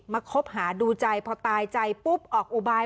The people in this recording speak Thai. คบหาดูใจพอตายใจปุ๊บออกอุบาย